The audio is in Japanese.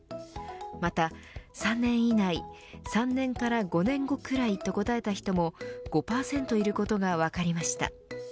また、３年以内３年から５年後くらいと答えた人も５％いることが分かりました。